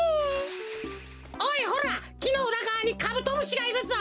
おいほらきのうらがわにカブトムシがいるぞ！